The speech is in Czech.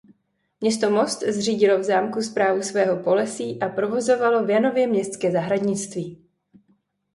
Město Most zřídilo v zámku správu svého polesí a provozovalo v Janově městské zahradnictví.